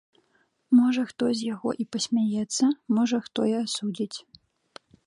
Можа хто з яго і пасмяецца, можа хто і асудзіць.